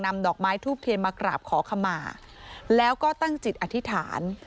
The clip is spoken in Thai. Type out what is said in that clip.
ดอกไม้ทูบเทียนมากราบขอขมาแล้วก็ตั้งจิตอธิษฐาน